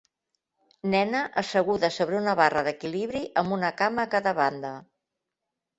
Nena asseguda sobre una barra d'equilibri amb una cama a cada banda.